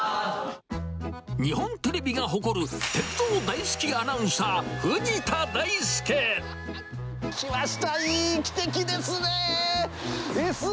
日本テレビが誇る鉄道大好き来ました、いい汽笛ですね。